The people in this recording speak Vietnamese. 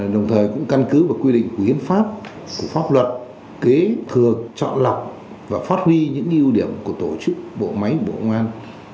đồng thời cân cứ quy định kiến pháp của đảng kiến thừa chọn lọc và phát huy những ưu điểm của tổ chức bộ máy của bộ công an